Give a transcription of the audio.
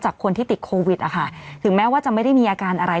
คนที่ติดโควิดนะคะถึงแม้ว่าจะไม่ได้มีอาการอะไร